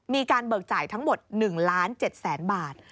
มีการเบิกจ่ายทั้งหมด๑๗๐๐๐๐๐บาท